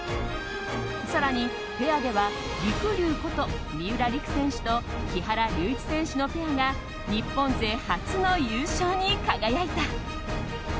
更にペアでは、りくりゅうこと三浦璃来選手と木原龍一選手のペアが日本勢初の優勝に輝いた。